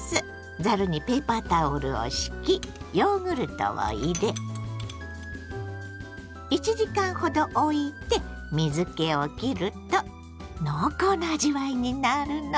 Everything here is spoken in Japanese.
ざるにペーパータオルを敷きヨーグルトを入れ１時間ほどおいて水けをきると濃厚な味わいになるの。